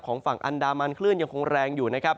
ฝั่งอันดามันคลื่นยังคงแรงอยู่นะครับ